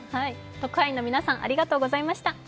特派員の皆さんありがとうございました。